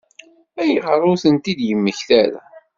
Ayɣer ur tent-id-yemmekta ara?